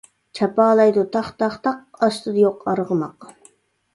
چاپالايدۇ تاق، تاق، تاق، ئاستىدا يوق ئارغىماق.